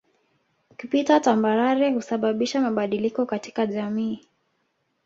Ukipita tambarare husababisha mabadiliko katika jamii